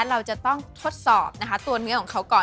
เราจะต้องทดสอบนะคะตัวเนื้อของเขาก่อน